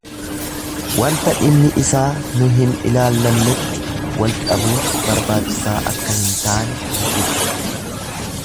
Wanta dhimmi isaa nu hin ilaallannetti wal dhabuun barbaachisaa akka hin taane ibsa.